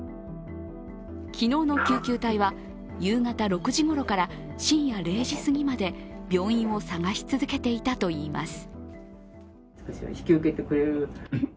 昨日の救急隊は夕方６時ごろから深夜０時すぎまで病院を探し続けていたといいます。